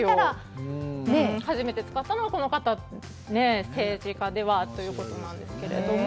初めて使ったのは政治家ではということなんですけれども。